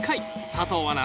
佐藤アナ